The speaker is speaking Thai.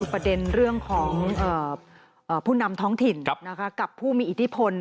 ประเด็นเรื่องของผู้นำท้องถิ่นกับผู้มีอิทธิพล